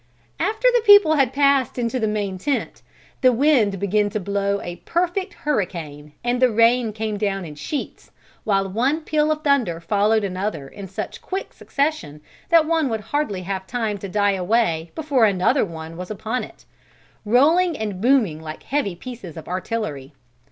After the people had all passed into the main tent, the wind began to blow a perfect hurricane and the rain came down in sheets while one peal of thunder followed another in such quick succession that one would hardly have time to die away before another was upon it; rolling and booming like heavy pieces of artillery.